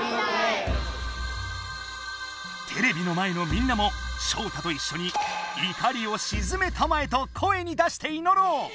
テレビの前のみんなもショウタといっしょに「いかりをしずめたまえ」と声に出していのろう！